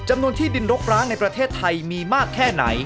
นที่ดินรกร้างในประเทศไทยมีมากแค่ไหน